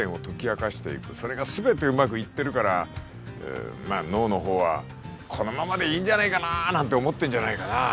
それが全てうまくいってるからまあ脳のほうはこのままでいいんじゃねえかななんて思ってるんじゃないかな？